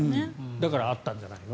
だから、あったんじゃないの。